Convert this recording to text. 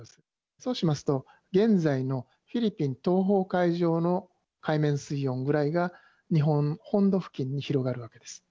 そうしますと、現在のフィリピン東方海上の海面水温ぐらいが、日本本土付近に広がるわけです。